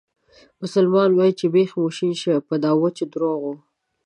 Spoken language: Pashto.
مسلمانان وایي بیخ مو شین شه په دا وچو درواغو.